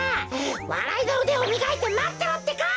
わらいのうでをみがいてまってろってか！